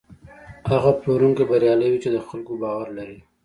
هغه پلورونکی بریالی وي چې د خلکو باور لري.